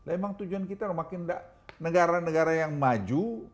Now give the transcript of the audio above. emang tujuan kita makin negara negara yang maju